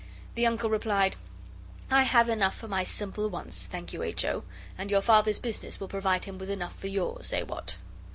The Uncle replied, 'I have enough for my simple wants, thank you, H. O.; and your Father's business will provide him with enough for yours. Eh! what?